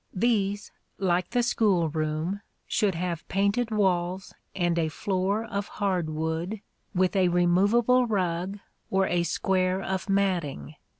These, like the school room, should have painted walls and a floor of hard wood with a removable rug or a square of matting.